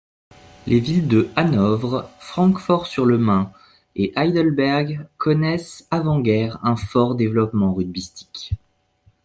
Les villes de Hanovre, Francfort-sur-le-Main et Heidelberg connaissent avant-guerre un fort développement rugbystique.